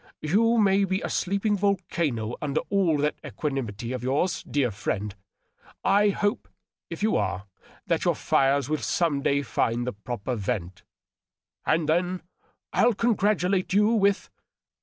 You may be a sleeping volcano under all that equanimity of yours, dear friend. I hope, if you are, that your fires will some day find the proper vent. And then I'll congratulate you with